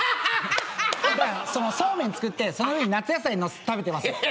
そうめん作ってその上に夏野菜載せて食べてます。